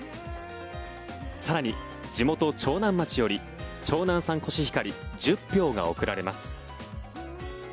更に、地元・長南町より長南産コシヒカリ１０俵が贈られます。